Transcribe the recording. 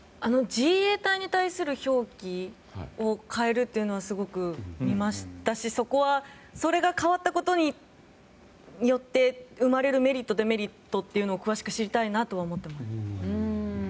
自衛隊に対する表記を変えるというのはすごく見ましたし、そこはそれが変わったことによって生まれるメリット、デメリットを詳しく知りたいなとは思ってました。